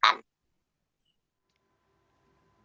akhirnya keputusan itu diambil